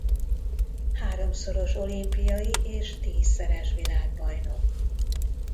Háromszoros olimpiai és tízszeres világbajnok.